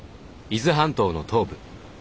伊豆半島の東部。